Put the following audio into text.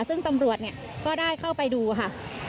ซึ่งตำรวจเนี่ยก็ได้เข้าไปดูค่ะ